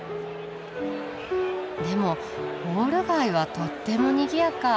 でもウォール街はとってもにぎやか。